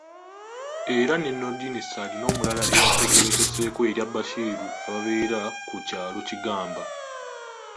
Era ne Noordin Ssali n'omulala eyategeerekeseeko erya Bashir ababeera ku kyalo Kigamba.